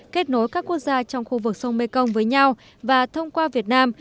kết nối các quốc gia trong khu vực sông mekong với nhau và thông qua việt nam